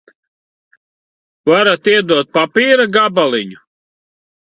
Varat iedot papīra gabaliņu?